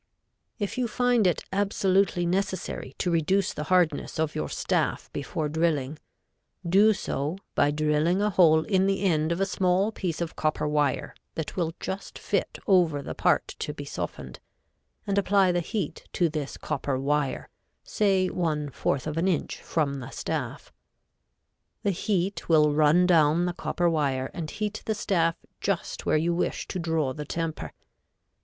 If you find it absolutely necessary to reduce the hardness of your staff before drilling, do so by drilling a hole in the end of a small piece of copper wire that will just fit over the part to be softened, and apply the heat to this copper wire, say one fourth of an inch from the staff. The heat will run down the copper wire and heat the staff just where you wish to draw the temper.